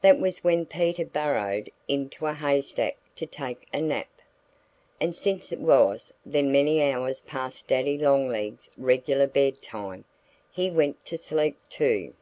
That was when Peter burrowed into a haystack to take a nap. And since it was then many hours past Daddy Longlegs' regular bedtime, he went to sleep too.